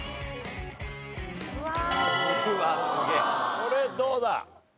これどうだ？